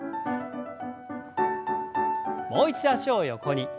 もう一度脚を横に。